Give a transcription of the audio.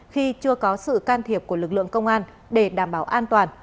khi chưa có sự can thiệp của lực lượng công an để đảm bảo an toàn